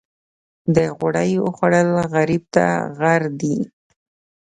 د غوړیو خوړل غریب ته غر دي.